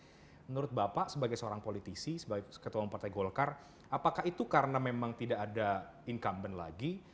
menurut bapak sebagai seorang politisi sebagai ketua umum partai golkar apakah itu karena memang tidak ada incumbent lagi